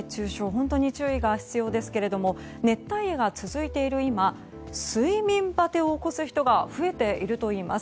本当に注意が必要ですけれども熱帯夜が続いている今睡眠バテを起こす人が増えているといいます。